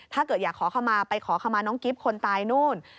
ถ้าเกิดอยากขอขมาไปขอขมาน้องกิฟต์คนตายนู่น